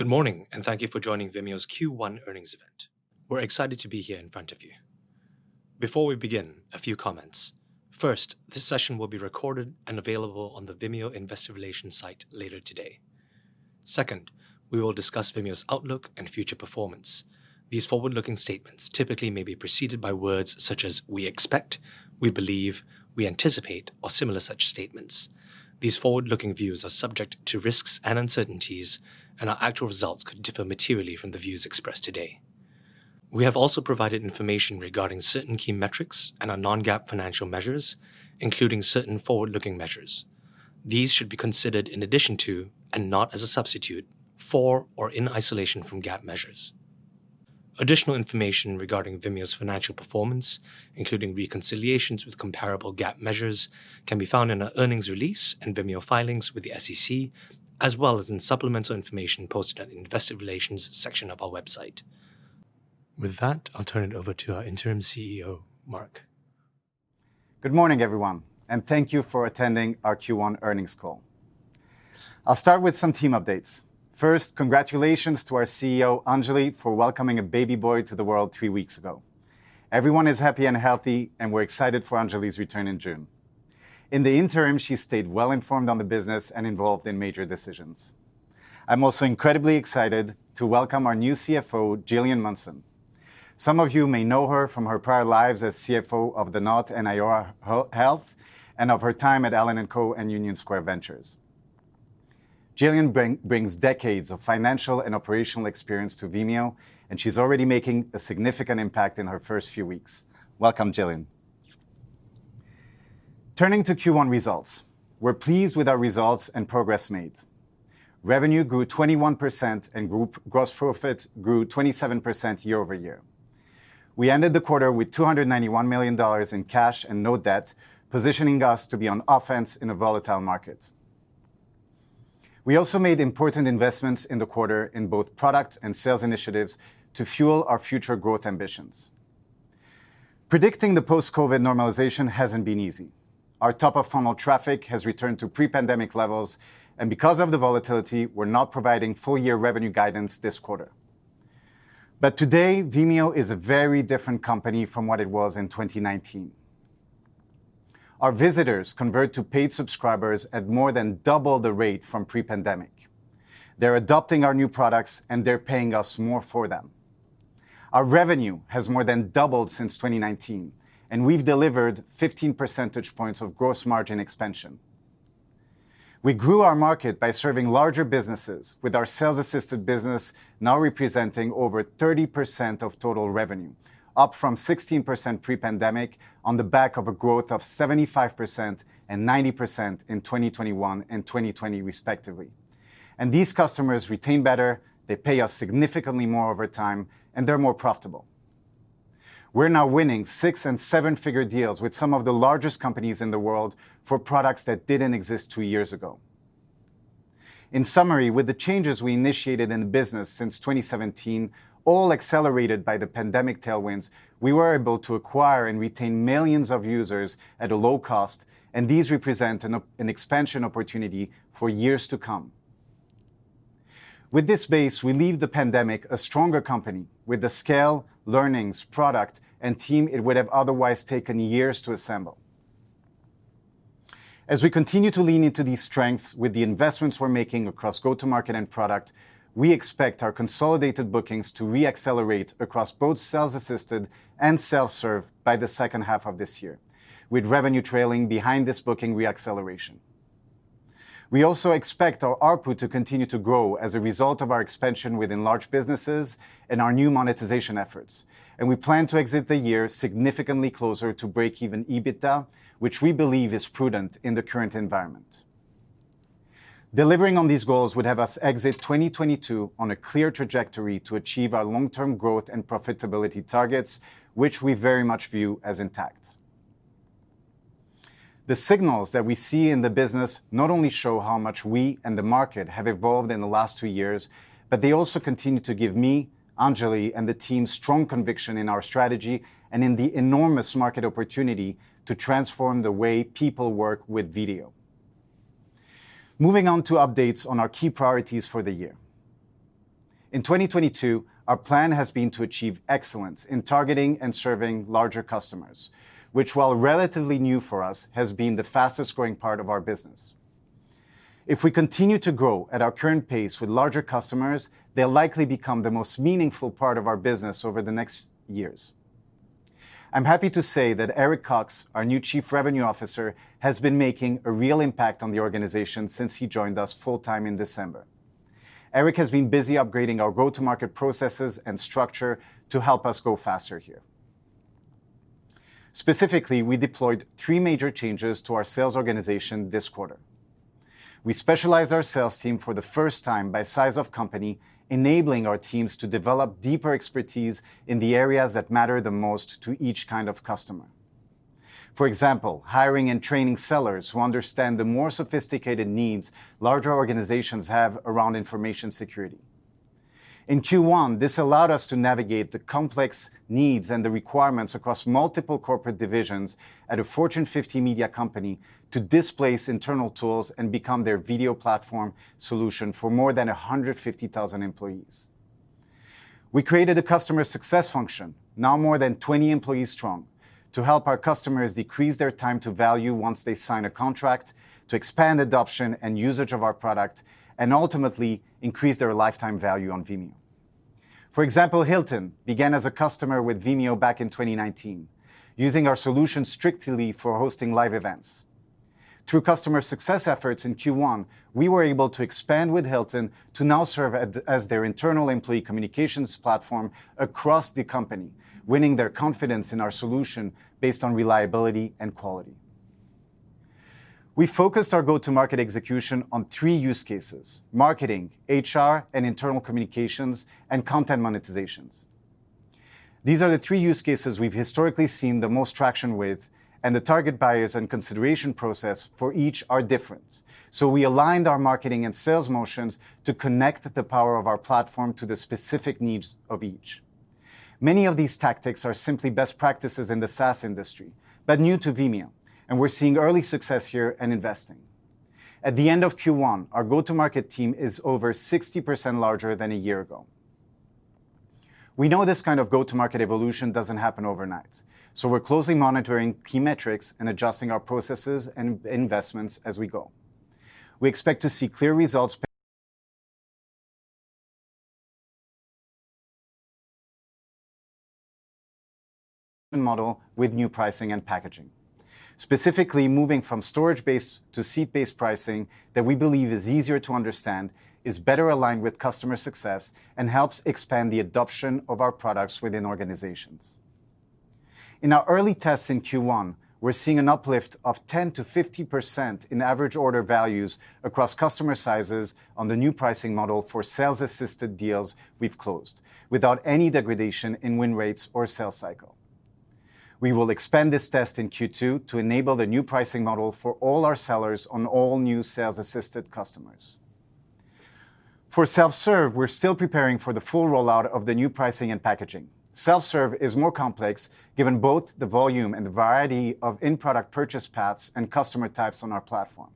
Good morning, and thank you for joining Vimeo's Q1 Earnings Event. We're excited to be here in front of you. Before we begin, a few comments. First, this session will be recorded and available on the Vimeo Investor Relations site later today. Second, we will discuss Vimeo's outlook and future performance. These forward-looking statements typically may be preceded by words such as we expect, we believe, we anticipate, or similar such statements. These forward-looking views are subject to risks and uncertainties, and our actual results could differ materially from the views expressed today. We have also provided information regarding certain key metrics and our non-GAAP financial measures, including certain forward-looking measures. These should be considered in addition to and not as a substitute for or in isolation from GAAP measures. Additional information regarding Vimeo's financial performance, including reconciliations with comparable GAAP measures, can be found in our earnings release and Vimeo filings with the SEC, as well as in supplemental information posted at Investor Relations section of our website. With that, I'll turn it over to our interim CEO, Mark. Good morning, everyone, and thank you for attending our Q1 Earnings Call. I'll start with some team updates. First, congratulations to our CEO, Anjali, for welcoming a baby boy to the world three weeks ago. Everyone is happy and healthy, and we're excited for Anjali's return in June. In the interim, she stayed well-informed on the business and involved in major decisions. I'm also incredibly excited to welcome our new CFO, Gillian Munson. Some of you may know her from her prior lives as CFO of The Knot and Iora Health and of her time at Allen & Company and Union Square Ventures. Gillian brings decades of financial and operational experience to Vimeo, and she's already making a significant impact in her first few weeks. Welcome, Gillian. Turning to Q1 results. We're pleased with our results and progress made. Revenue grew 21% and gross profit grew 27% year-over-year. We ended the quarter with $291 million in cash and no debt, positioning us to be on offense in a volatile market. We also made important investments in the quarter in both product and sales initiatives to fuel our future growth ambitions. Predicting the post-COVID normalization hasn't been easy. Our top-of-funnel traffic has returned to pre-pandemic levels, and because of the volatility, we're not providing full-year revenue guidance this quarter. Today, Vimeo is a very different company from what it was in 2019. Our visitors convert to paid subscribers at more than double the rate from pre-pandemic. They're adopting our new products, and they're paying us more for them. Our revenue has more than doubled since 2019, and we've delivered 15 percentage points of gross margin expansion. We grew our market by serving larger businesses with our sales assisted business now representing over 30% of total revenue, up from 16% pre-pandemic on the back of a growth of 75% and 90% in 2021 and 2020 respectively. These customers retain better, they pay us significantly more over time, and they're more profitable. We're now winning six- and seven-figure deals with some of the largest companies in the world for products that didn't exist two years ago. In summary, with the changes we initiated in the business since 2017, all accelerated by the pandemic tailwinds, we were able to acquire and retain millions of users at a low cost, and these represent an expansion opportunity for years to come. With this base, we leave the pandemic a stronger company with the scale, learnings, product, and team it would have otherwise taken years to assemble. As we continue to lean into these strengths with the investments we're making across go-to-market and product, we expect our consolidated bookings to re-accelerate across both sales-assisted and self-serve by the second half of this year, with revenue trailing behind this booking re-acceleration. We also expect our ARPU to continue to grow as a result of our expansion within large businesses and our new monetization efforts, and we plan to exit the year significantly closer to break-even EBITDA, which we believe is prudent in the current environment. Delivering on these goals would have us exit 2022 on a clear trajectory to achieve our long-term growth and profitability targets, which we very much view as intact. The signals that we see in the business not only show how much we and the market have evolved in the last two years, but they also continue to give me, Anjali, and the team strong conviction in our strategy and in the enormous market opportunity to transform the way people work with video. Moving on to updates on our key priorities for the year. In 2022, our plan has been to achieve excellence in targeting and serving larger customers, which while relatively new for us, has been the fastest-growing part of our business. If we continue to grow at our current pace with larger customers, they'll likely become the most meaningful part of our business over the next years. I'm happy to say that Eric Cox, our new Chief Revenue Officer, has been making a real impact on the organization since he joined us full-time in December. Eric has been busy upgrading our go-to-market processes and structure to help us grow faster here. Specifically, we deployed 3 major changes to our sales organization this quarter. We specialized our sales team for the first time by size of company, enabling our teams to develop deeper expertise in the areas that matter the most to each kind of customer. For example, hiring and training sellers who understand the more sophisticated needs larger organizations have around information security. In Q1, this allowed us to navigate the complex needs and the requirements across multiple corporate divisions at a Fortune 50 media company to displace internal tools and become their video platform solution for more than 150,000 employees. We created a customer success function, now more than 20 employees strong, to help our customers decrease their time to value once they sign a contract, to expand adoption and usage of our product, and ultimately increase their lifetime value on Vimeo. For example, Hilton began as a customer with Vimeo back in 2019, using our solution strictly for hosting live events. Through customer success efforts in Q1, we were able to expand with Hilton to now serve as their internal employee communications platform across the company, winning their confidence in our solution based on reliability and quality. We focused our go-to-market execution on three use cases, Marketing, HR, and Internal Communications and Content Monetizations. These are the three use cases we've historically seen the most traction with and the target buyers and consideration process for each are different. We aligned our marketing and sales motions to connect the power of our platform to the specific needs of each. Many of these tactics are simply best practices in the SaaS industry, but new to Vimeo, and we're seeing early success here and investing. At the end of Q1, our go-to-market team is over 60% larger than a year ago. We know this kind of go-to-market evolution doesn't happen overnight, so we're closely monitoring key metrics and adjusting our processes and investments as we go. We expect to see clear results model with new pricing and packaging. Specifically moving from storage-based to seat-based pricing that we believe is easier to understand, is better aligned with customer success, and helps expand the adoption of our products within organizations. In our early tests in Q1, we're seeing an uplift of 10%-50% in average order values across customer sizes on the new pricing model for sales-assisted deals we've closed without any degradation in win rates or sales cycle. We will expand this test in Q2 to enable the new pricing model for all our sellers on all new sales-assisted customers. For self-serve, we're still preparing for the full rollout of the new pricing and packaging. Self-serve is more complex given both the volume and the variety of in-product purchase paths and customer types on our platform.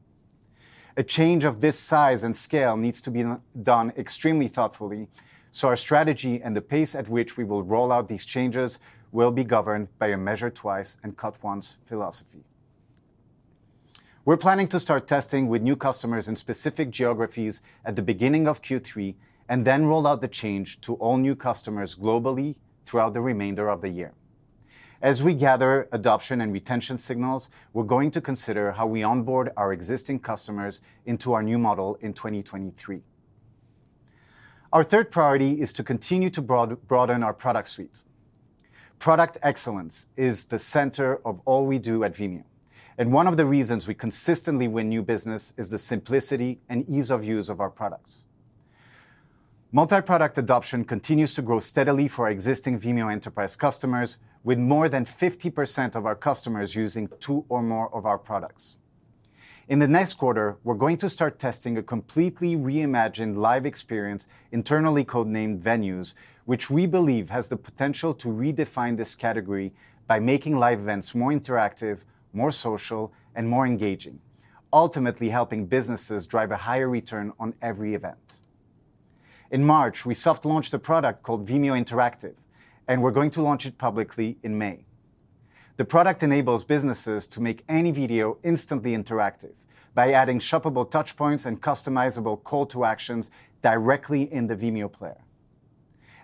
A change of this size and scale needs to be done extremely thoughtfully, so our strategy and the pace at which we will roll out these changes will be governed by a measure twice and cut once philosophy. We're planning to start testing with new customers in specific geographies at the beginning of Q3 and then roll out the change to all new customers globally throughout the remainder of the year. As we gather adoption and retention signals, we're going to consider how we onboard our existing customers into our new model in 2023. Our third priority is to continue to broaden our product suite. Product excellence is the center of all we do at Vimeo, and one of the reasons we consistently win new business is the simplicity and ease of use of our products. Multi-product adoption continues to grow steadily for our existing Vimeo Enterprise customers, with more than 50% of our customers using two or more of our products. In the next quarter, we're going to start testing a completely reimagined live experience, internally codenamed Venues, which we believe has the potential to redefine this category by making live events more interactive, more social, and more engaging, ultimately helping businesses drive a higher return on every event. In March, we soft launched a product called Vimeo Interactive, and we're going to launch it publicly in May. The product enables businesses to make any video instantly interactive by adding shoppable touchpoints and customizable call to actions directly in the Vimeo player.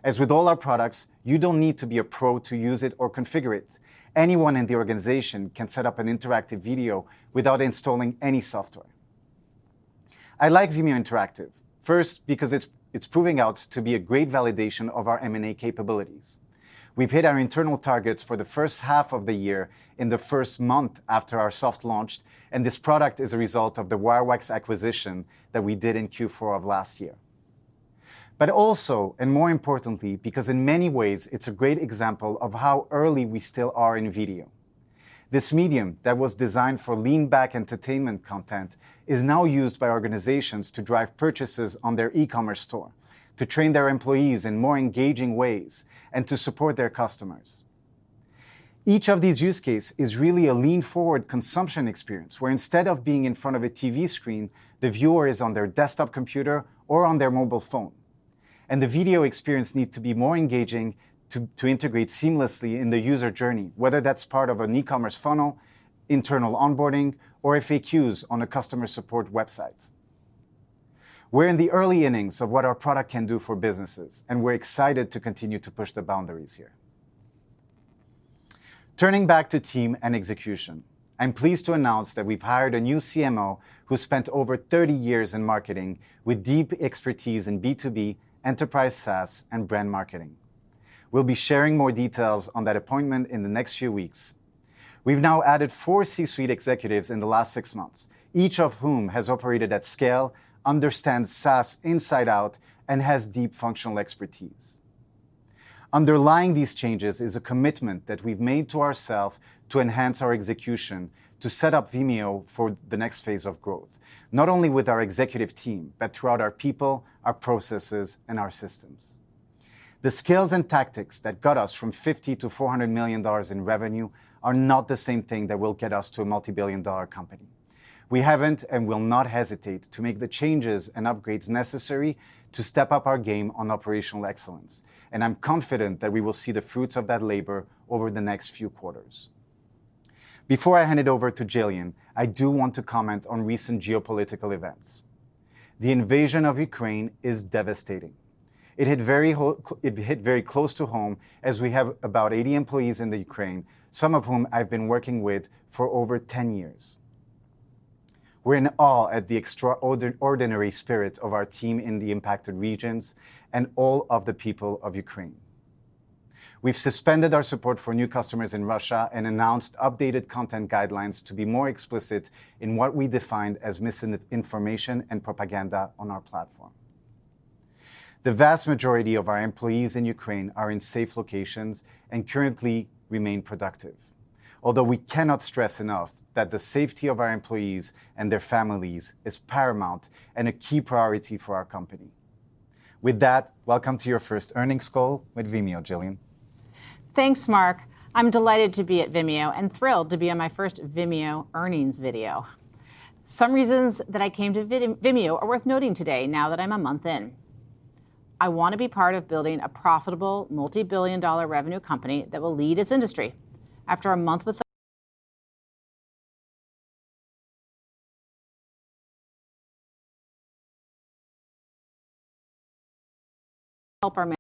As with all our products, you don't need to be a pro to use it or configure it. Anyone in the organization can set up an interactive video without installing any software. I like Vimeo Interactive, first, because it's proving out to be a great validation of our M&A capabilities. We've hit our internal targets for the first half of the year in the first month after our soft launch, and this product is a result of the Wirewax acquisition that we did in Q4 of last year. More importantly, because in many ways it's a great example of how early we still are in video. This medium that was designed for lean-back entertainment content is now used by organizations to drive purchases on their e-commerce store, to train their employees in more engaging ways, and to support their customers. Each of these use case is really a lean-forward consumption experience, where instead of being in front of a TV screen, the viewer is on their desktop computer or on their mobile phone, and the video experience need to be more engaging to integrate seamlessly in the user journey, whether that's part of an e-commerce funnel, internal onboarding, or FAQs on a customer support website. We're in the early innings of what our product can do for businesses, and we're excited to continue to push the boundaries here. Turning back to team and execution, I'm pleased to announce that we've hired a new CMO who spent over 30 years in marketing with deep expertise in B2B, enterprise SaaS, and brand marketing. We'll be sharing more details on that appointment in the next few weeks. We've now added four C-suite executives in the last six months, each of whom has operated at scale, understands SaaS inside out, and has deep functional expertise. Underlying these changes is a commitment that we've made to ourselves to enhance our execution to set up Vimeo for the next phase of growth, not only with our executive team, but throughout our people, our processes, and our systems. The skills and tactics that got us from $50 million-$400 million in revenue are not the same thing that will get us to a multi-billion dollar company. We haven't and will not hesitate to make the changes and upgrades necessary to step up our game on operational excellence, and I'm confident that we will see the fruits of that labor over the next few quarters. Before I hand it over to Gillian, I do want to comment on recent geopolitical events. The invasion of Ukraine is devastating. It hit very close to home as we have about 80 employees in Ukraine, some of whom I've been working with for over 10 years. We're in awe at the extraordinary spirit of our team in the impacted regions and all of the people of Ukraine. We've suspended our support for new customers in Russia and announced updated content guidelines to be more explicit in what we define as misinformation and propaganda on our platform. The vast majority of our employees in Ukraine are in safe locations and currently remain productive. Although we cannot stress enough that the safety of our employees and their families is paramount and a key priority for our company. With that, welcome to your first earnings call with Vimeo, Gillian. Thanks, Mark. I'm delighted to be at Vimeo and thrilled to be on my first Vimeo earnings video. Some reasons that I came to Vimeo are worth noting today now that I'm a month in. I want to be part of building a profitable, multi-billion dollar revenue company that will lead its industry. After a month with Vimeo.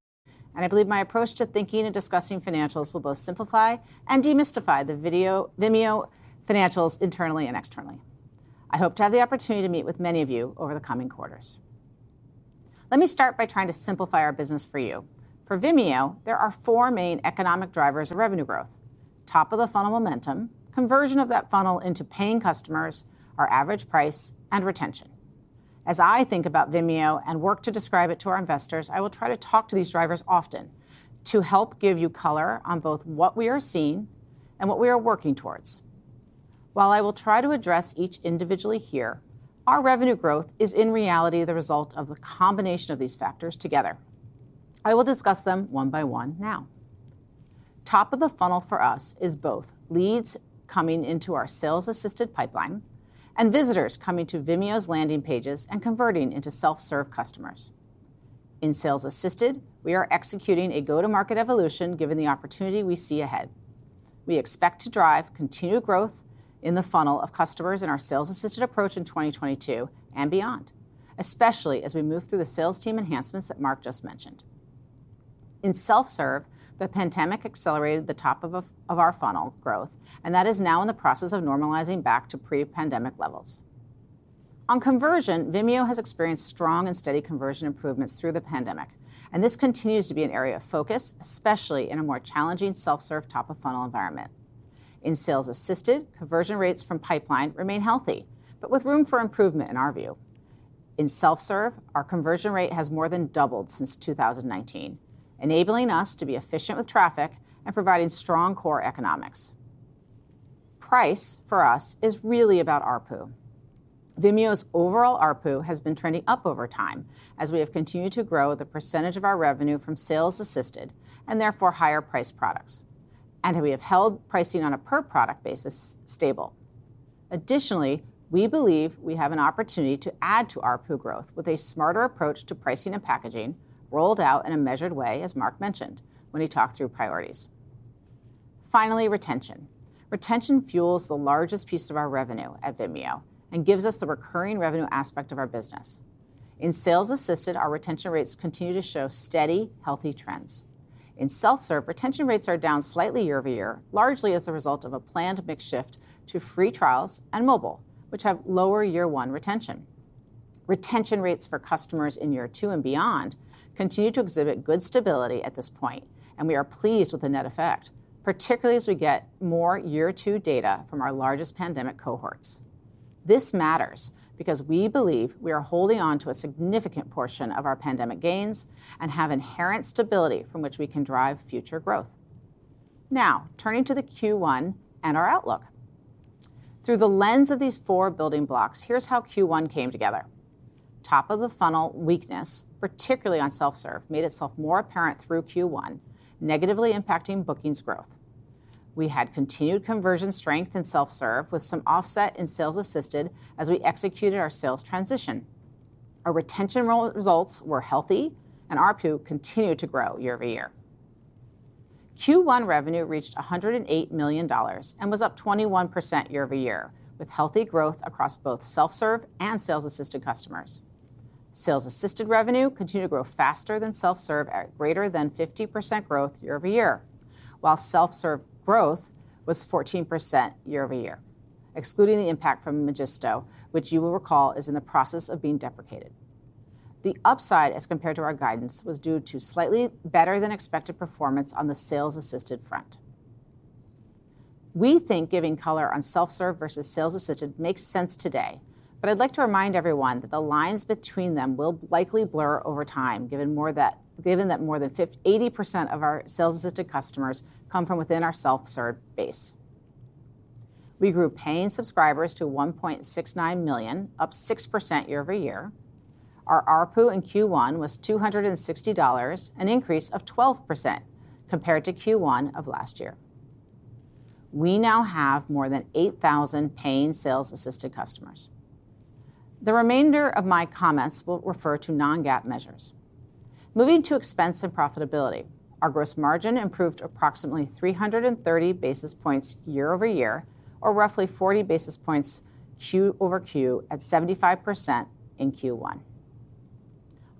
I believe my approach to thinking and discussing financials will both simplify and demystify the Vimeo financials internally and externally. I hope to have the opportunity to meet with many of you over the coming quarters. Let me start by trying to simplify our business for you. For Vimeo, there are four main economic drivers of revenue growth. Top of the funnel momentum, conversion of that funnel into paying customers, our average price, and retention. As I think about Vimeo and work to describe it to our investors, I will try to talk to these drivers often to help give you color on both what we are seeing and what we are working towards. While I will try to address each individually here, our revenue growth is in reality the result of the combination of these factors together. I will discuss them one by one now. Top of the funnel for us is both leads coming into our sales-assisted pipeline and visitors coming to Vimeo's landing pages and converting into self-serve customers. In sales-assisted, we are executing a go-to-market evolution given the opportunity we see ahead. We expect to drive continued growth in the funnel of customers in our sales-assisted approach in 2022 and beyond, especially as we move through the sales team enhancements that Mark just mentioned. In self-serve, the pandemic accelerated the top of our funnel growth, and that is now in the process of normalizing back to pre-pandemic levels. On conversion, Vimeo has experienced strong and steady conversion improvements through the pandemic, and this continues to be an area of focus, especially in a more challenging self-serve top of funnel environment. In sales assisted, conversion rates from pipeline remain healthy, but with room for improvement in our view. In self-serve, our conversion rate has more than doubled since 2019, enabling us to be efficient with traffic and providing strong core economics. Price for us is really about ARPU. Vimeo's overall ARPU has been trending up over time as we have continued to grow the percentage of our revenue from sales assisted and therefore higher priced products. We have held pricing on a per product basis stable. Additionally, we believe we have an opportunity to add to ARPU growth with a smarter approach to pricing and packaging rolled out in a measured way, as Mark mentioned when he talked through priorities. Finally, retention. Retention fuels the largest piece of our revenue at Vimeo and gives us the recurring revenue aspect of our business. In sales assisted, our retention rates continue to show steady, healthy trends. In self-serve, retention rates are down slightly year-over-year, largely as a result of a planned mix shift to free trials and mobile, which have lower year one retention. Retention rates for customers in year two and beyond continue to exhibit good stability at this point, and we are pleased with the net effect, particularly as we get more year two data from our largest pandemic cohorts. This matters because we believe we are holding on to a significant portion of our pandemic gains and have inherent stability from which we can drive future growth. Now, turning to the Q1 and our outlook. Through the lens of these four building blocks, here's how Q1 came together. Top of the funnel weakness, particularly on self-serve, made itself more apparent through Q1, negatively impacting bookings growth. We had continued conversion strength in self-serve with some offset in sales-assisted as we executed our sales transition. Our retention results were healthy and ARPU continued to grow year-over-year. Q1 revenue reached $108 million and was up 21% year-over-year with healthy growth across both self-serve and sales-assisted customers. Sales assisted revenue continued to grow faster than self-serve at greater than 50% growth year-over-year, while self-serve growth was 14% year-over-year, excluding the impact from Magisto, which you will recall is in the process of being deprecated. The upside as compared to our guidance was due to slightly better than expected performance on the sales assisted front. We think giving color on self-serve vs sales assisted makes sense today. I'd like to remind everyone that the lines between them will likely blur over time, given that more than 80% of our sales assisted customers come from within our self-serve base. We grew paying subscribers to 1.69 million, up 6% year-over-year. Our ARPU in Q1 was $260, an increase of 12% compared to Q1 of last year. We now have more than 8,000 paying sales assisted customers. The remainder of my comments will refer to non-GAAP measures. Moving to expense and profitability, our gross margin improved approximately 330 basis points year-over-year or roughly 40 basis points Q-over-Q at 75% in Q1.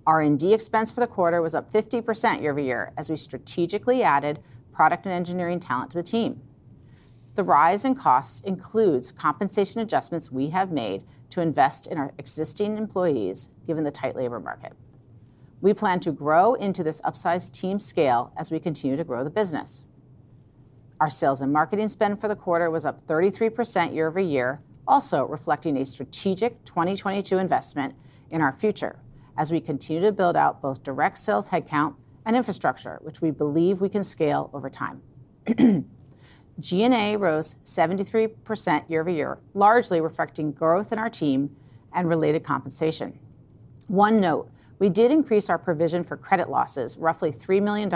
R&D expense for the quarter was up 50% year-over-year as we strategically added product and engineering talent to the team. The rise in costs includes compensation adjustments we have made to invest in our existing employees given the tight labor market. We plan to grow into this upsized team scale as we continue to grow the business. Our sales and marketing spend for the quarter was up 33% year-over-year, also reflecting a strategic 2022 investment in our future as we continue to build out both direct sales headcount and infrastructure, which we believe we can scale over time. G&A rose 73% year-over-year, largely reflecting growth in our team and related compensation. One note, we did increase our provision for credit losses, roughly $3 million,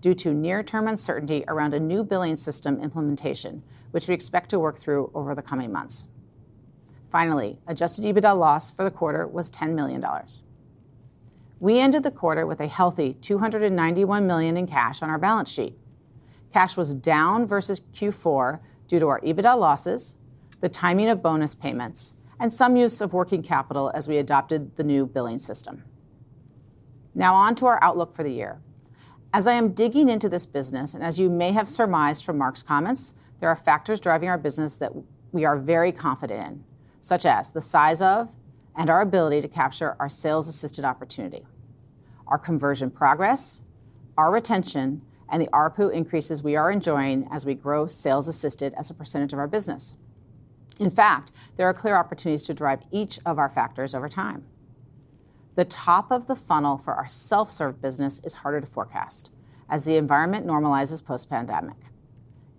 due to near-term uncertainty around a new billing system implementation, which we expect to work through over the coming months. Finally, adjusted EBITDA loss for the quarter was $10 million. We ended the quarter with a healthy 291 million in cash on our balance sheet. Cash was down vs Q4 due to our EBITDA losses, the timing of bonus payments, and some use of working capital as we adopted the new billing system. Now on to our outlook for the year. As I am digging into this business, and as you may have surmised from Mark's comments, there are factors driving our business that we are very confident in, such as the size of and our ability to capture our sales assisted opportunity, our conversion progress, our retention, and the ARPU increases we are enjoying as we grow sales assisted as a percentage of our business. In fact, there are clear opportunities to drive each of our factors over time. The top of the funnel for our self-serve business is harder to forecast as the environment normalizes post-pandemic.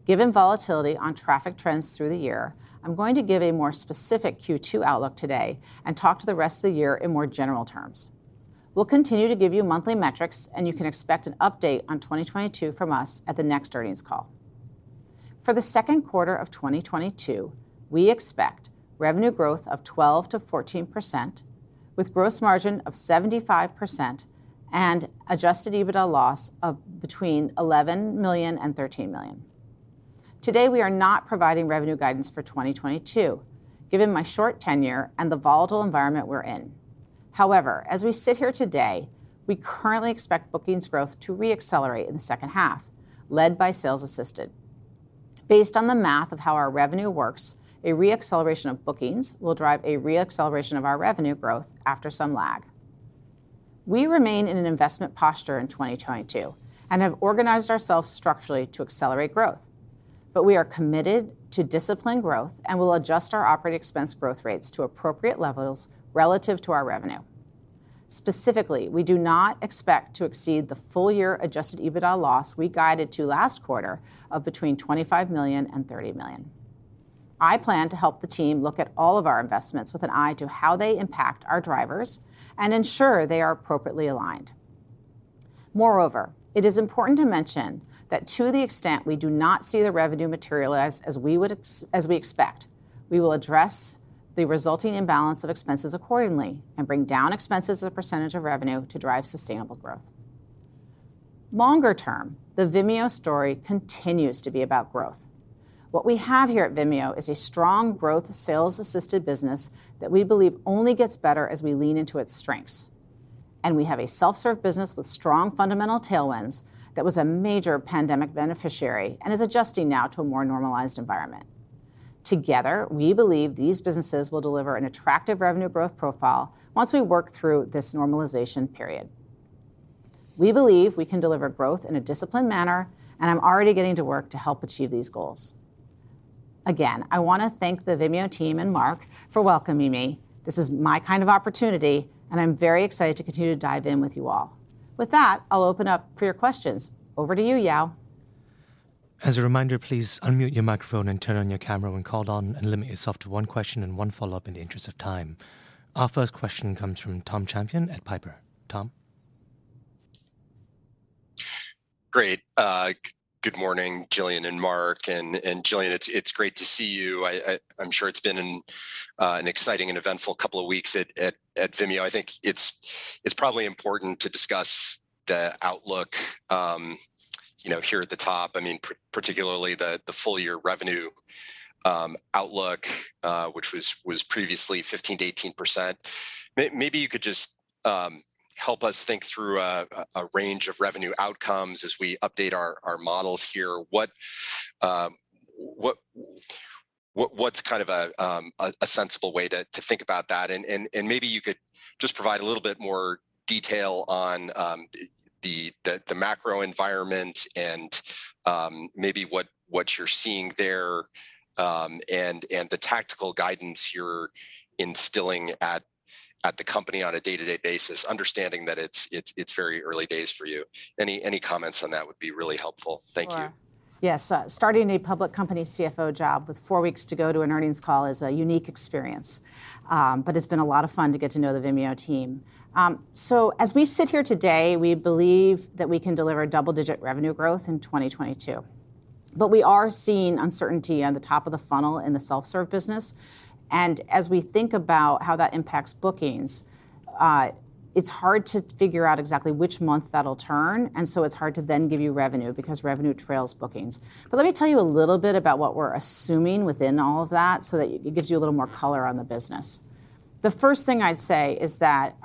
Given volatility on traffic trends through the year, I'm going to give a more specific Q2 outlook today and talk to the rest of the year in more general terms. We'll continue to give you monthly metrics, and you can expect an update on 2022 from us at the next earnings call. For the second quarter of 2022, we expect revenue growth of 12%-14% with gross margin of 75% and adjusted EBITDA loss of between $11 million and $13 million. Today, we are not providing revenue guidance for 2022, given my short tenure and the volatile environment we're in. However, as we sit here today, we currently expect bookings growth to re-accelerate in the second half, led by sales assisted. Based on the math of how our revenue works, a re-acceleration of bookings will drive a re-acceleration of our revenue growth after some lag. We remain in an investment posture in 2022 and have organized ourselves structurally to accelerate growth. We are committed to disciplined growth and will adjust our operating expense growth rates to appropriate levels relative to our revenue. Specifically, we do not expect to exceed the full year adjusted EBITDA loss we guided to last quarter of between $25 million and $30 million. I plan to help the team look at all of our investments with an eye to how they impact our drivers and ensure they are appropriately aligned. Moreover, it is important to mention that to the extent we do not see the revenue materialize as we expect, we will address the resulting imbalance of expenses accordingly and bring down expenses as a percentage of revenue to drive sustainable growth. Longer term, the Vimeo story continues to be about growth. What we have here at Vimeo is a strong growth sales assisted business that we believe only gets better as we lean into its strengths. We have a self-serve business with strong fundamental tailwinds that was a major pandemic beneficiary and is adjusting now to a more normalized environment. Together, we believe these businesses will deliver an attractive revenue growth profile once we work through this normalization period. We believe we can deliver growth in a disciplined manner, and I'm already getting to work to help achieve these goals. Again, I wanna thank the Vimeo team and Mark for welcoming me. This is my kind of opportunity, and I'm very excited to continue to dive in with you all. With that, I'll open up for your questions. Over to you, Yao. As a reminder, please unmute your microphone and turn on your camera when called on and limit yourself to one question and one follow-up in the interest of time. Our first question comes from Tom Champion at Piper. Tom? Great. Good morning, Gillian and Mark. Gillian, it's great to see you. I'm sure it's been an exciting and eventful couple of weeks at Vimeo. I think it's probably important to discuss the outlook, you know, here at the top. I mean, particularly the full year revenue outlook, which was previously 15%-18%. Maybe you could just help us think through a range of revenue outcomes as we update our models here. What's kind of a sensible way to think about that? Maybe you could just provide a little bit more detail on the macro environment and maybe what you're seeing there and the tactical guidance you're instilling at the company on a day-to-day basis, understanding that it's very early days for you. Any comments on that would be really helpful. Thank you. Sure. Yes. Starting a public company CFO job with four weeks to go to an earnings call is a unique experience. It's been a lot of fun to get to know the Vimeo team. As we sit here today, we believe that we can deliver double-digit revenue growth in 2022. We are seeing uncertainty on the top of the funnel in the self-serve business, and as we think about how that impacts bookings, it's hard to figure out exactly which month that'll turn, and it's hard to then give you revenue because revenue trails bookings. Let me tell you a little bit about what we're assuming within all of that so that it gives you a little more color on the business. The first thing I'd say is that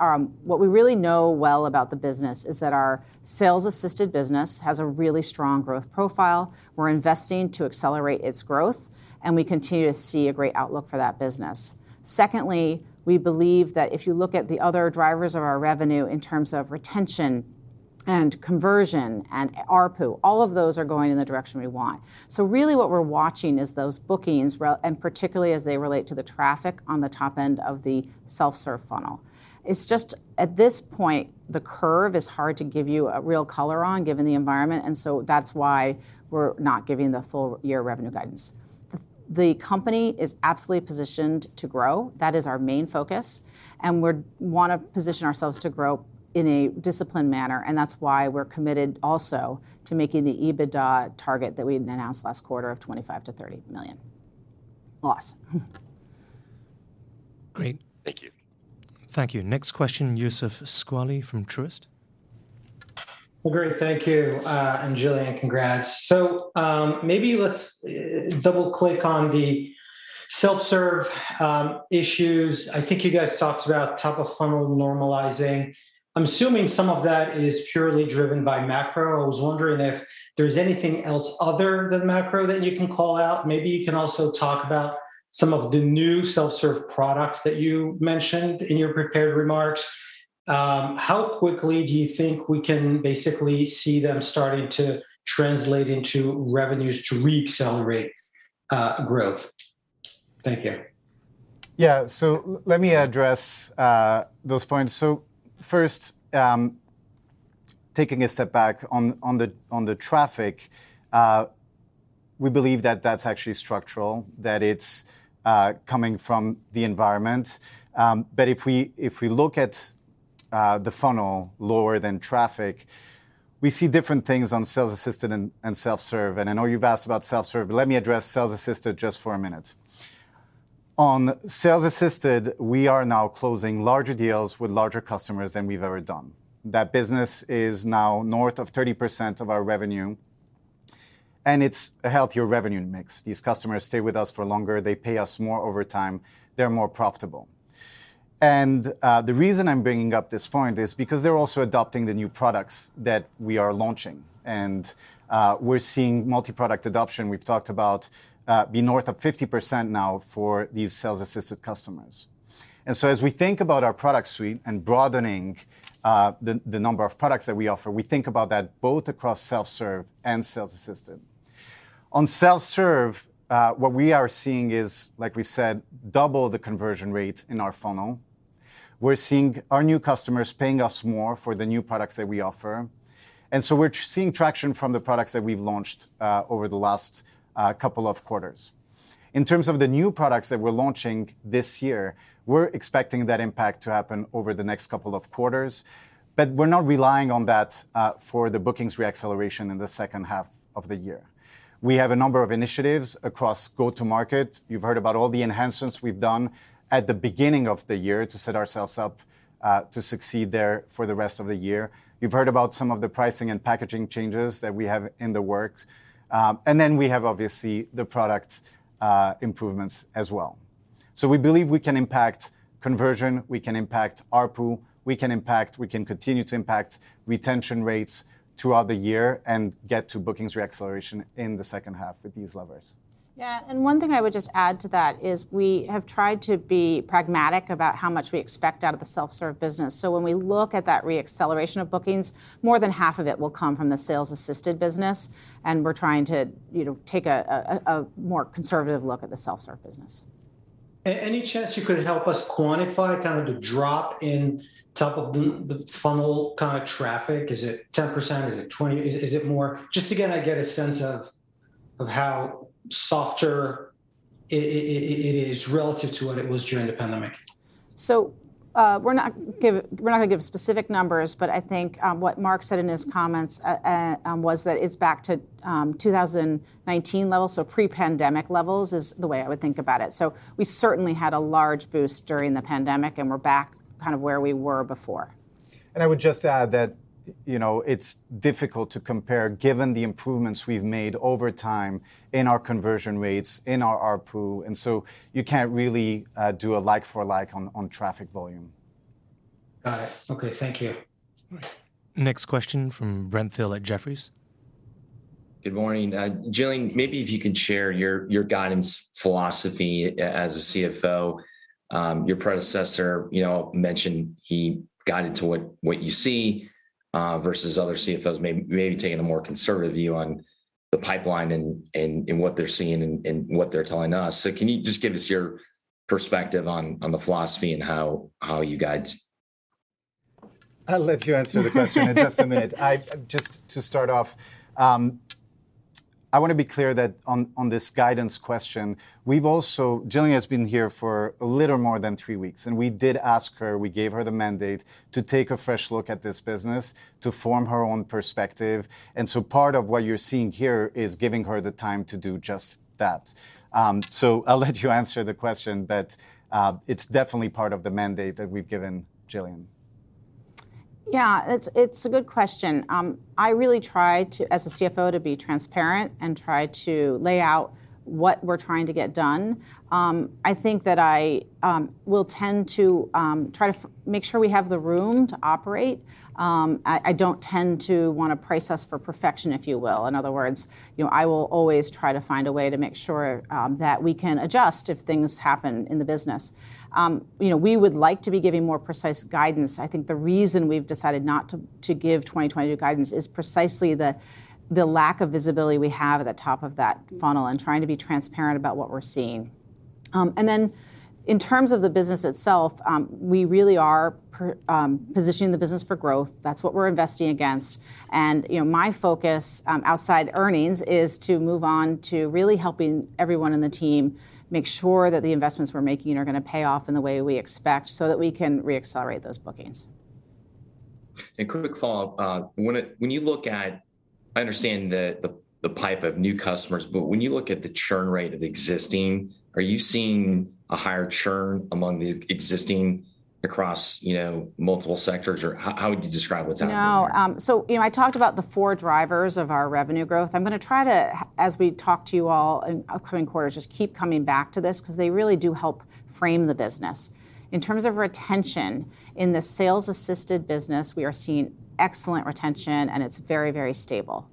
what we really know well about the business is that our sales-assisted business has a really strong growth profile. We're investing to accelerate its growth, and we continue to see a great outlook for that business. Secondly, we believe that if you look at the other drivers of our revenue in terms of retention and conversion and ARPU, all of those are going in the direction we want. So really what we're watching is those bookings and particularly as they relate to the traffic on the top end of the self-serve funnel. It's just at this point the curve is hard to give you a real color on given the environment and so that's why we're not giving the full year revenue guidance. The company is absolutely positioned to grow. That is our main focus, and we wanna position ourselves to grow in a disciplined manner, and that's why we're committed also to making the EBITDA target that we had announced last quarter of $25-$30 million loss. Great. Thank you. Thank you. Next question, Youssef Squali from Truist. Well, great. Thank you, and Gillian, congrats. Maybe let's double-click on the self-serve issues. I think you guys talked about top of funnel normalizing. I'm assuming some of that is purely driven by macro. I was wondering if there's anything else other than macro that you can call out. Maybe you can also talk about some of the new self-serve products that you mentioned in your prepared remarks. How quickly do you think we can basically see them starting to translate into revenues to reaccelerate growth? Thank you. Yeah. Let me address those points. First, taking a step back on the traffic, we believe that that's actually structural, that it's coming from the environment. If we look at the funnel lower than traffic, we see different things on sales assisted and self-serve. I know you've asked about self-serve, but let me address sales assisted just for a minute. On sales assisted, we are now closing larger deals with larger customers than we've ever done. That business is now north of 30% of our revenue, and it's a healthier revenue mix. These customers stay with us for longer, they pay us more over time, they're more profitable. The reason I'm bringing up this point is because they're also adopting the new products that we are launching. We're seeing multi-product adoption, we've talked about being north of 50% now for these sales-assisted customers. As we think about our product suite and broadening the number of products that we offer, we think about that both across self-serve and sales assisted. On self-serve, what we are seeing is, like we said, double the conversion rate in our funnel. We're seeing our new customers paying us more for the new products that we offer. We're seeing traction from the products that we've launched over the last couple of quarters. In terms of the new products that we're launching this year, we're expecting that impact to happen over the next couple of quarters, but we're not relying on that for the bookings reacceleration in the second half of the year. We have a number of initiatives across go-to-market. You've heard about all the enhancements we've done at the beginning of the year to set ourselves up to succeed there for the rest of the year. You've heard about some of the pricing and packaging changes that we have in the works. We have obviously the product improvements as well. We believe we can impact conversion, we can impact ARPU, we can continue to impact retention rates throughout the year and get to bookings reacceleration in the second half with these levers. Yeah. One thing I would just add to that is we have tried to be pragmatic about how much we expect out of the self-serve business. When we look at that reacceleration of bookings, more than half of it will come from the sales-assisted business, and we're trying to, you know, take a more conservative look at the self-serve business. Any chance you could help us quantify kind of the drop in top of the funnel kinda traffic? Is it 10%? Is it 20%? Is it more? Just again, I get a sense of how softer it is relative to what it was during the pandemic. We're not gonna give specific numbers, but I think what Mark said in his comments was that it's back to 2019 levels, pre-pandemic levels is the way I would think about it. We certainly had a large boost during the pandemic, and we're back kind of where we were before. I would just add that, you know, it's difficult to compare given the improvements we've made over time in our conversion rates, in our ARPU, and so you can't really do a like for like on traffic volume. Got it. Okay, thank you. Next question from Brent Thill at Jefferies. Good morning. Gillian, maybe if you could share your guidance philosophy as a CFO. Your predecessor, you know, mentioned he guided to what you see vs other CFOs maybe taking a more conservative view on the pipeline and what they're seeing and what they're telling us. Can you just give us your perspective on the philosophy and how you guide? I'll let you answer the question in just a minute. Just to start off, I wanna be clear that on this guidance question, we've also Gillian has been here for a little more than three weeks, and we did ask her, we gave her the mandate to take a fresh look at this business, to form her own perspective. Part of what you're seeing here is giving her the time to do just that. I'll let you answer the question, but it's definitely part of the mandate that we've given Gillian. Yeah. It's a good question. I really try to, as a CFO, to be transparent and try to lay out what we're trying to get done. I think that I will tend to try to make sure we have the room to operate. I don't tend to wanna price us for perfection, if you will. In other words, you know, I will always try to find a way to make sure that we can adjust if things happen in the business. You know, we would like to be giving more precise guidance. I think the reason we've decided not to give 2022 guidance is precisely the lack of visibility we have at the top of that funnel, and trying to be transparent about what we're seeing. In terms of the business itself, we really are positioning the business for growth. That's what we're investing against. You know, my focus outside earnings is to move on to really helping everyone in the team make sure that the investments we're making are gonna pay off in the way we expect so that we can re-accelerate those bookings. Quick follow-up. When you look at, I understand the pipeline of new customers, but when you look at the churn rate of existing, are you seeing a higher churn among the existing across, you know, multiple sectors? Or how would you describe what's happening there? No. You know, I talked about the four drivers of our revenue growth. I'm gonna try to as we talk to you all in upcoming quarters, just keep coming back to this 'cause they really do help frame the business. In terms of retention, in the sales-assisted business, we are seeing excellent retention and it's very, very stable.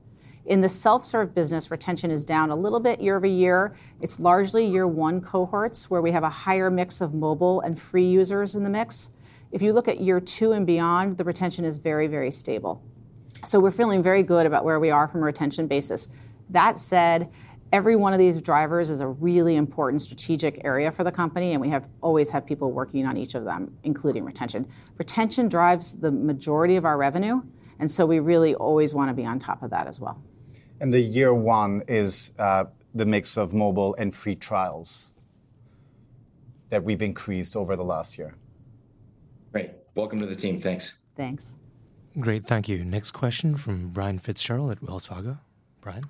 In the self-serve business, retention is down a little bit year-over-year. It's largely year one cohorts where we have a higher mix of mobile and free users in the mix. If you look at year two and beyond, the retention is very, very stable. We're feeling very good about where we are from a retention basis. That said, every one of these drivers is a really important strategic area for the company, and we have always had people working on each of them, including retention. Retention drives the majority of our revenue, and so we really always wanna be on top of that as well. The year one is the mix of mobile and free trials that we've increased over the last year. Great. Welcome to the team. Thanks. Thanks. Great. Thank you. Next question from Brian Fitzgerald at Wells Fargo. Brian?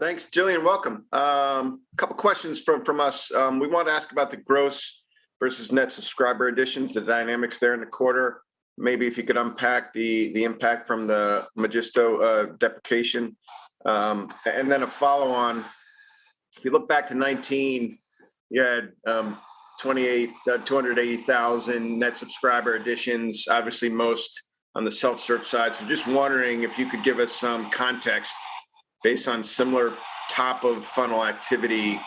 Thanks. Gillian, welcome. Couple questions from us. We wanted to ask about the gross vs net subscriber additions, the dynamics there in the quarter. Maybe if you could unpack the impact from the Magisto deprecation. Then a follow on, if you look back to 2019, you had 280,000 net subscriber additions, obviously most on the self-serve side. Just wondering if you could give us some context based on similar top of funnel activity,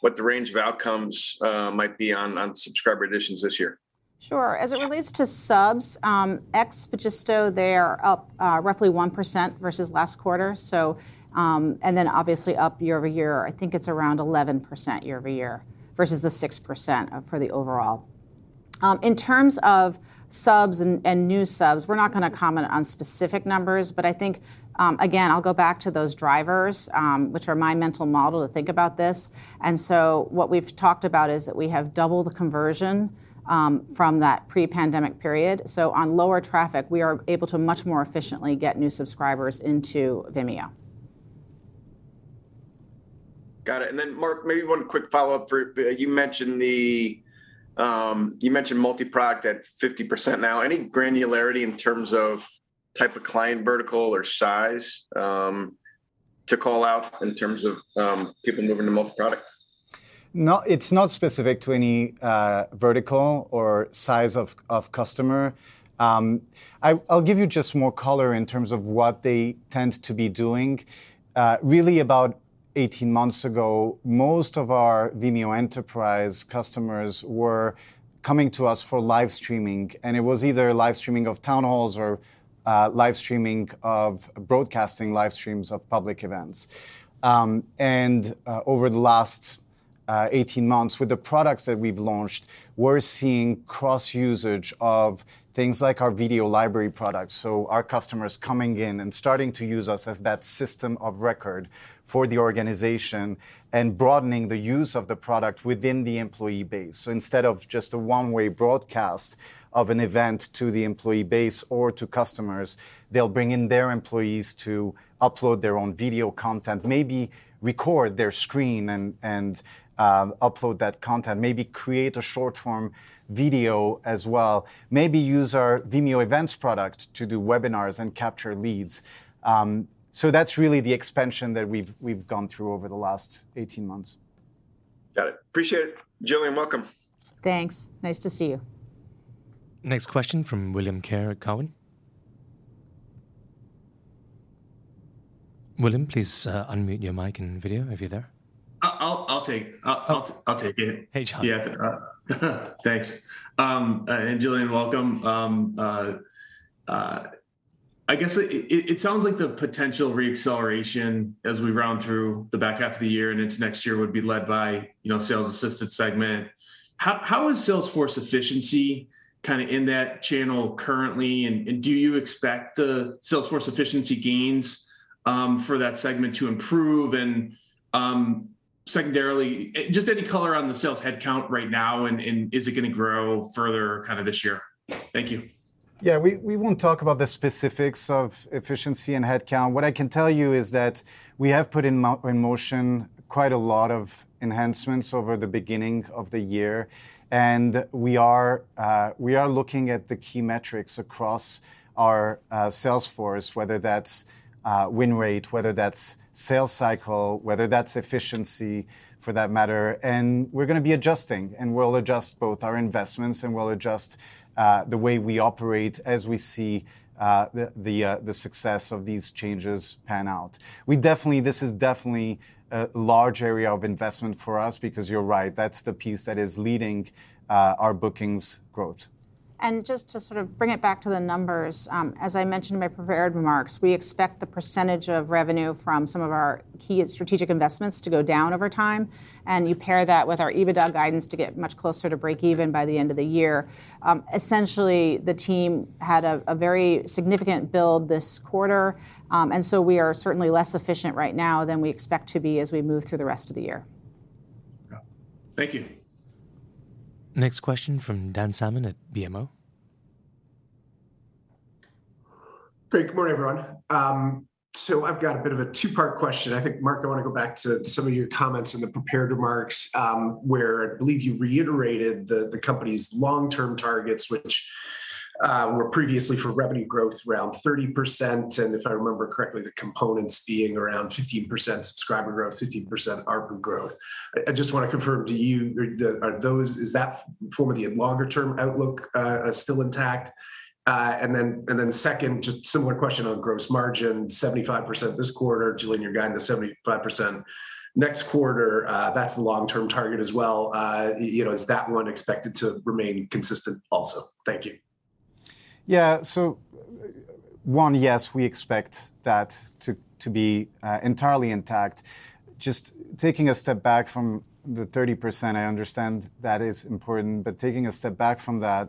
what the range of outcomes might be on subscriber additions this year. Sure. As it relates to subs, ex-Magisto, they are up roughly 1% vs last quarter. Then obviously up year-over-year, I think it's around 11% year-over-year vs the 6% for the overall. In terms of subs and new subs, we're not gonna comment on specific numbers, but I think again, I'll go back to those drivers, which are my mental model to think about this. What we've talked about is that we have double the conversion from that pre-pandemic period. On lower traffic, we are able to much more efficiently get new subscribers into Vimeo. Got it. Mark, maybe one quick follow-up for you mentioned multi-product at 50% now. Any granularity in terms of type of client vertical or size, to call out in terms of people moving to multi-product? No, it's not specific to any vertical or size of customer. I'll give you just more color in terms of what they tend to be doing. Really about 18 months ago, most of our Vimeo Enterprise customers were coming to us for live streaming, and it was either live streaming of town halls or broadcasting live streams of public events. Over the last 18 months, with the products that we've launched, we're seeing cross usage of things like our video library products, so our customers coming in and starting to use us as that system of record for the organization and broadening the use of the product within the employee base. Instead of just a one-way broadcast of an event to the employee base or to customers, they'll bring in their employees to upload their own video content, maybe record their screen and upload that content, maybe create a short-form video as well, maybe use our Vimeo Events product to do webinars and capture leads. That's really the expansion that we've gone through over the last 18 months. Got it. Appreciate it. Gillian, welcome. Thanks. Nice to see you. Next question from Bill Kerr at Cowen. William, please, unmute your mic and video if you're there. I'll take it. Hey, John. Yeah. Thanks. Gillian, welcome. I guess it sounds like the potential re-acceleration as we round through the back half of the year and into next year would be led by, you know, enterprise segment. How is sales force efficiency kinda in that channel currently, and do you expect the sales force efficiency gains for that segment to improve? Secondarily, just any color on the sales headcount right now and is it gonna grow further kinda this year? Thank you. Yeah. We won't talk about the specifics of efficiency and headcount. What I can tell you is that we have put in motion quite a lot of enhancements over the beginning of the year, and we are looking at the key metrics across our sales force, whether that's win rate, whether that's sales cycle, whether that's efficiency for that matter. We're gonna be adjusting, and we'll adjust both our investments and we'll adjust the way we operate as we see the success of these changes pan out. We definitely. This is definitely a large area of investment for us because you're right, that's the piece that is leading our bookings growth. Just to sort of bring it back to the numbers, as I mentioned in my prepared remarks, we expect the percentage of revenue from some of our key and strategic investments to go down over time, and you pair that with our EBITDA guidance to get much closer to break even by the end of the year. Essentially, the team had a very significant build this quarter, and so we are certainly less efficient right now than we expect to be as we move through the rest of the year. Got it. Thank you. Next question from Dan Salmon at BMO. Great. Good morning, everyone. I've got a bit of a two-part question. I think, Mark, I wanna go back to some of your comments in the prepared remarks, where I believe you reiterated the company's long-term targets, which were previously for revenue growth around 30%, and if I remember correctly, the components being around 15% subscriber growth, 15% ARPU growth. I just wanna confirm, is that form of the long-term outlook still intact? Then second, just similar question on gross margin, 75% this quarter. Gillian, you're guiding to 75% next quarter, that's the long-term target as well. You know, is that one expected to remain consistent also? Thank you. Yeah. One, yes, we expect that to be entirely intact. Just taking a step back from the 30%, I understand that is important, but taking a step back from that,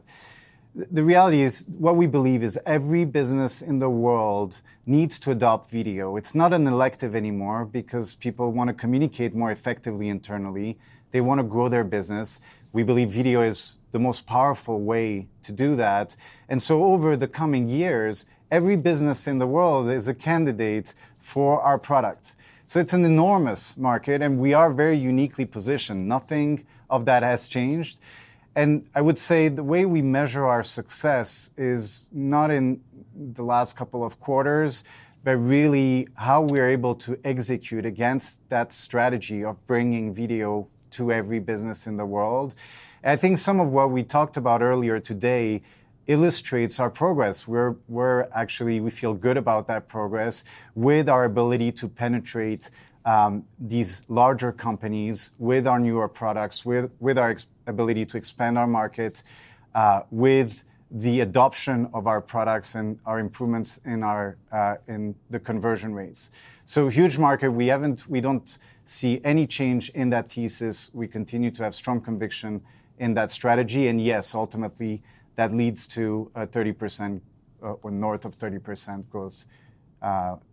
the reality is what we believe is every business in the world needs to adopt video. It's not an elective anymore because people wanna communicate more effectively internally. They wanna grow their business. We believe video is the most powerful way to do that. Over the coming years, every business in the world is a candidate for our product. It's an enormous market, and we are very uniquely positioned. Nothing of that has changed. I would say the way we measure our success is not in the last couple of quarters, but really how we're able to execute against that strategy of bringing video to every business in the world. I think some of what we talked about earlier today illustrates our progress. We actually feel good about that progress with our ability to penetrate these larger companies with our newer products, with our ability to expand our market, with the adoption of our products and our improvements in the conversion rates. Huge market. We don't see any change in that thesis. We continue to have strong conviction in that strategy. Yes, ultimately, that leads to a 30% or north of 30% growth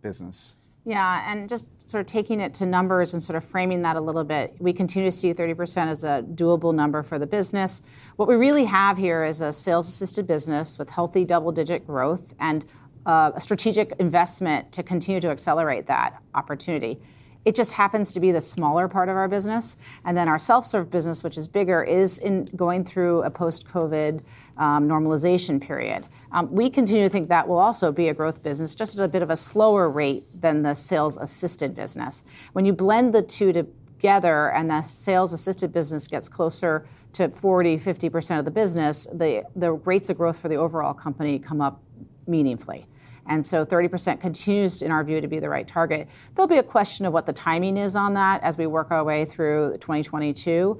business. Yeah. Just sort of taking it to numbers and sort of framing that a little bit, we continue to see 30% as a doable number for the business. What we really have here is a sales-assisted business with healthy double-digit growth and a strategic investment to continue to accelerate that opportunity. It just happens to be the smaller part of our business. Our self-serve business, which is bigger, is going through a post-COVID normalization period. We continue to think that will also be a growth business, just at a bit of a slower rate than the sales-assisted business. When you blend the two together and the sales-assisted business gets closer to 40%-50% of the business, the rates of growth for the overall company come up meaningfully. 30% continues, in our view, to be the right target. There'll be a question of what the timing is on that as we work our way through 2022.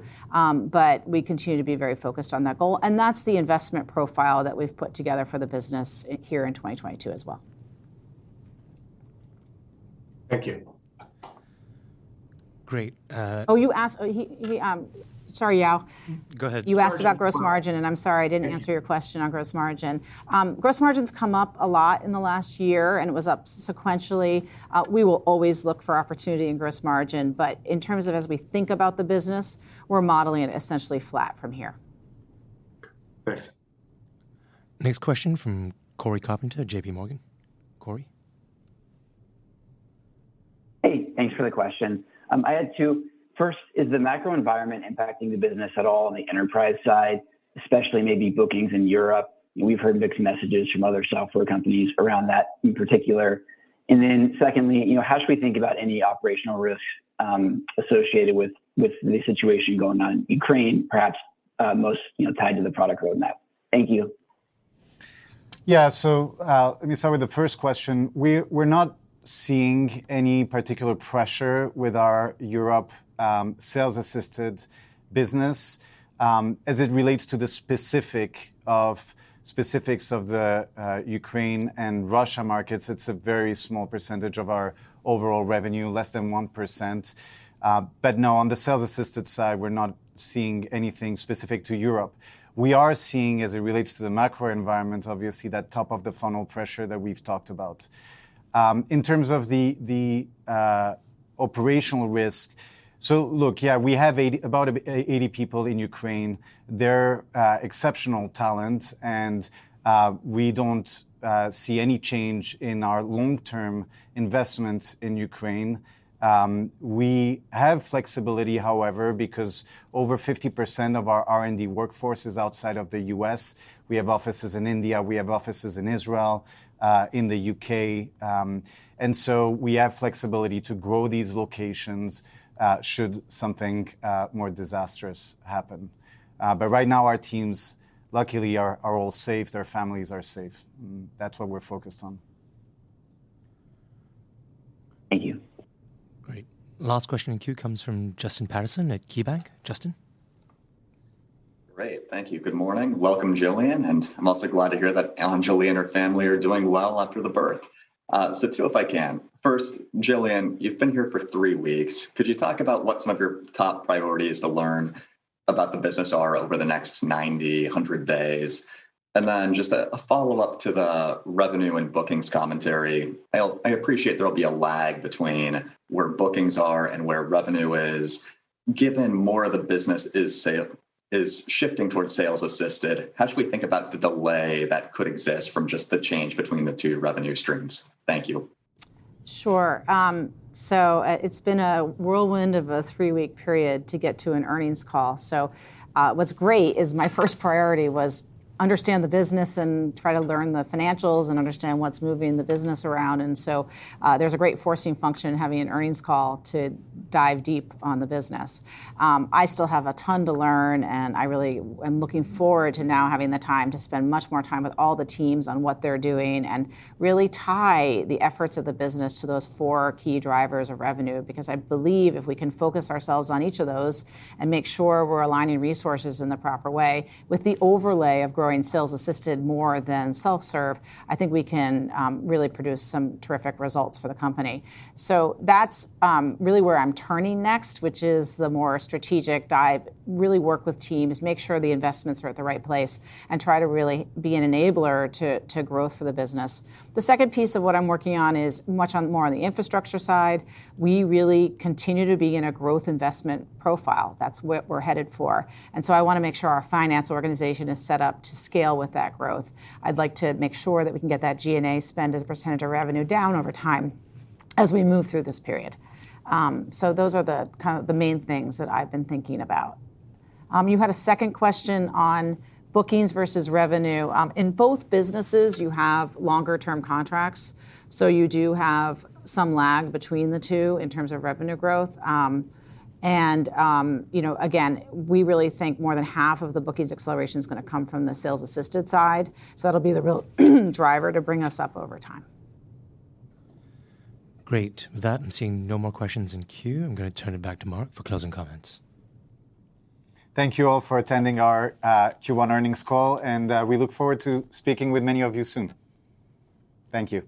We continue to be very focused on that goal, and that's the investment profile that we've put together for the business here in 2022 as well. Thank you. Great. Sorry, Yao. Go ahead. You asked about gross margin, and I'm sorry I didn't answer your question on gross margin. Gross margin's come up a lot in the last year, and it was up sequentially. We will always look for opportunity in gross margin. In terms of as we think about the business, we're modeling it essentially flat from here. Great. Next question from Cory Carpenter, JPMorgan. Cory? Hey, thanks for the question. I had two. First, is the macro environment impacting the business at all on the enterprise side, especially maybe bookings in Europe? We've heard mixed messages from other software companies around that in particular. Secondly, you know, how should we think about any operational risks, associated with the situation going on in Ukraine, perhaps, most, you know, tied to the product roadmap? Thank you. Yeah. Let me start with the first question. We're not seeing any particular pressure with our European sales-assisted business. As it relates to the specifics of the Ukraine and Russia markets, it's a very small percentage of our overall revenue, less than 1%. No, on the sales-assisted side, we're not seeing anything specific to Europe. We are seeing, as it relates to the macro environment, obviously, that top of the funnel pressure that we've talked about. In terms of the operational risk, look, yeah, we have about 80 people in Ukraine. They're exceptional talent, and we don't see any change in our long-term investment in Ukraine. We have flexibility, however, because over 50% of our R&D workforce is outside of the U.S. We have offices in India, we have offices in Israel, in the U.K., and so we have flexibility to grow these locations, should something more disastrous happen. Right now, our teams luckily are all safe, their families are safe. That's what we're focused on. Thank you. Great. Last question in queue comes from Justin Patterson at KeyBanc. Justin? Great. Thank you. Good morning. Welcome, Gillian, and I'm also glad to hear that Anjali and her family are doing well after the birth. So two, if I can. First, Gillian, you've been here for three weeks. Could you talk about what some of your top priorities to learn about the business are over the next 90-100 days? Just a follow-up to the revenue and bookings commentary. I appreciate there'll be a lag between where bookings are and where revenue is. Given more of the business is shifting towards sales assisted, how should we think about the delay that could exist from just the change between the two revenue streams? Thank you. Sure. It's been a whirlwind of a three-week period to get to an earnings call. What's great is my first priority was understand the business and try to learn the financials and understand what's moving the business around. There's a great forcing function having an earnings call to dive deep on the business. I still have a ton to learn, and I really am looking forward to now having the time to spend much more time with all the teams on what they're doing and really tie the efforts of the business to those four key drivers of revenue. Because I believe if we can focus ourselves on each of those and make sure we're aligning resources in the proper way with the overlay of growing sales assisted more than self-serve, I think we can really produce some terrific results for the company. That's really where I'm turning next, which is the more strategic dive, really work with teams, make sure the investments are at the right place, and try to really be an enabler to growth for the business. The second piece of what I'm working on is much more on the infrastructure side. We really continue to be in a growth investment profile. That's what we're headed for. I wanna make sure our finance organization is set up to scale with that growth. I'd like to make sure that we can get that G&A spend as a percentage of revenue down over time as we move through this period. So those are the kind of the main things that I've been thinking about. You had a second question on bookings vs revenue. In both businesses, you have longer term contracts, so you do have some lag between the two in terms of revenue growth. You know, again, we really think more than half of the bookings acceleration is gonna come from the sales assisted side, so that'll be the real driver to bring us up over time. Great. With that, I'm seeing no more questions in queue. I'm gonna turn it back to Mark for closing comments. Thank you all for attending our Q1 earnings call, and we look forward to speaking with many of you soon. Thank you.